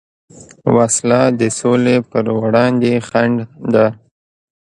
وسله د سولې پروړاندې خنډ ده